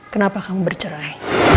kenapa kamu bercerai